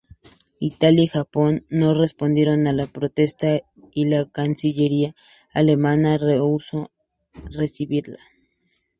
Italia y Japón no respondieron a la protesta y la cancillería alemana rehusó recibirla.